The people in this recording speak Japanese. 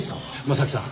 正木さん